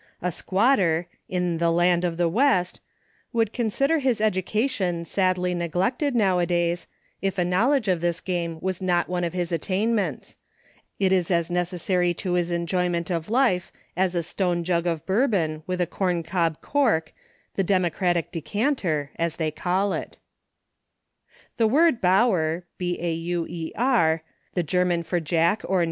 A squat ter, in the "Land of the West," would con sicler his education sadly neglected, now a days, if a knowledge of this game was not one of his attainments ;— it is as necessary to his enjoyment of life as a stone jug of "Bourbon, 7 ' with a corn cob "cork" — the 11 democratic decanter," as they call it. The word Bauer, the German for Jack, 01 PRELIMINAEY.